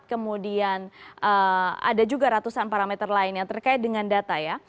kemudian ada juga ratusan parameter lain yang terkait dengan data ya